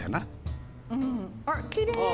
あっきれい！